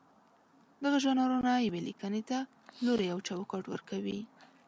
دغه ژانرونه یوې لیکنې ته لوری او چوکاټ ورکوي.